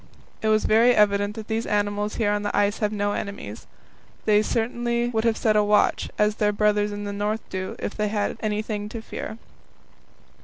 It was very evident that these animals here on the ice have no enemies. They would certainly have set a watch, as their brothers in the North do, if they had had anything to fear.